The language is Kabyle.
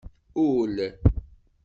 Ul.